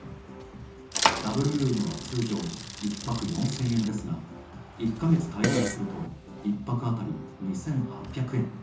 ダブルルームは通常１泊４０００円ですが、１か月滞在すると１泊あたり２８００円。